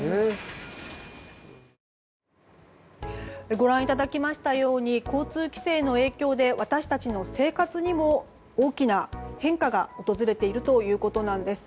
ご覧いただきましたように交通規制の影響で私たちの生活にも大きな変化が訪れているということなんです。